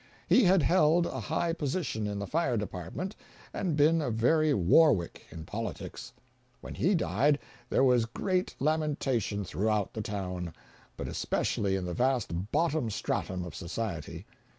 He had held a high position in the fire department and been a very Warwick in politics. When he died there was great lamentation throughout the town, but especially in the vast bottom stratum of society.